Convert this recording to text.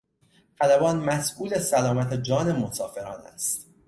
خلبان مسئول سلامت جان مسافران است.